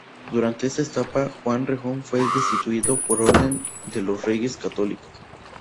Durante esta etapa, Juan Rejón fue destituido por orden de los Reyes Católicos.